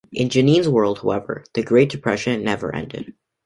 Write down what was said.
In Jeannine's world, however, the Great Depression never ended.